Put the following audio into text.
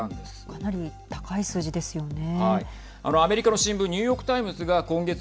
かなり高い数字ですよね。